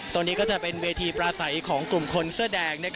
ตรงนี้ก็จะเป็นเวทีปลาใสของกลุ่มคนเสื้อแดง